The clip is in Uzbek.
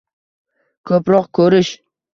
Ko‘proq ko‘rish